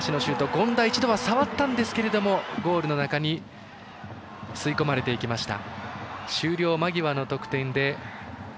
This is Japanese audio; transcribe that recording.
権田、一度は触ったんですがゴールの中に吸い込まれていきました。